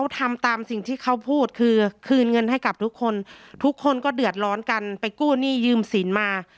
ทำตามสิ่งที่เขาพูดคือคืนเงินให้กับทุกคนทุกคนก็เดือดร้อนกันไปกู้หนี้ยืมสินมา